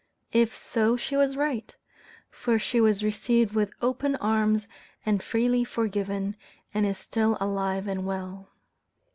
If so, she was right; for she was received with open arms, and freely forgiven, and is still alive and well.